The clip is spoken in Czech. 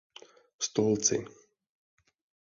Stolci.